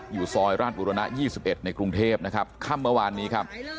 อยู่ซอยราชบุรณะ๒๑ในกรุงเทพนะครับค่ำเมื่อวานนี้ครับ